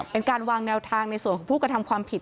เป็นการวางแนวทางในส่วนของผู้กระทำความผิด